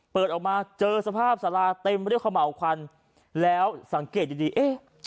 เปิดออกมาเจอสภาพสาราเต็มไปด้วยขม่าวควันแล้วสังเกตดีดีเอ๊ะ